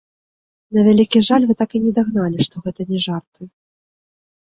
На вялікі жаль, вы так і не дагналі, што гэта не жарты!